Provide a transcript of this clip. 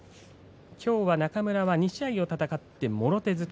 きょうは中村は２試合を戦ってもろ手突き。